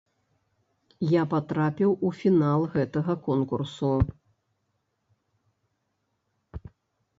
Я патрапіў у фінал гэтага конкурсу.